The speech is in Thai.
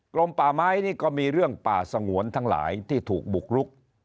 ลมป่าไม้นี่ก็มีเรื่องป่าสงวนทั้งหลายที่ถูกบุกรุก